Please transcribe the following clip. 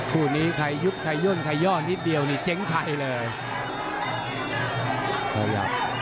คู่นี้ใครยุบใครย่นใครย่อนิดเดียวนี่เจ๊งชัยเลย